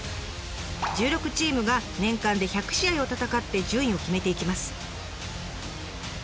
１６チームが年間で１００試合を戦って順位を決めていきます。